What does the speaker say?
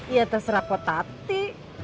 ya terserah potati